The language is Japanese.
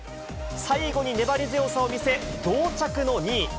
最後に粘り強さを見せ、同着の２位。